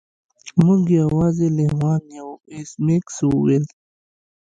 موږ یوازې لیوان یو ایس میکس وویل